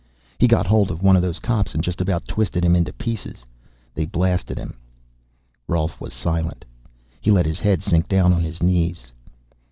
He got hold of one of those cops and just about twisted him into two pieces. They blasted him." Rolf was silent. He let his head sink down on his knees.